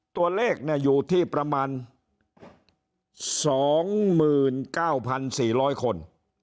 ตัวเลขอยู่ที่ประมาณ๒๙๔๐๐คน